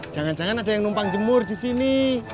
jangan jangan ada yang numpang jemur di sini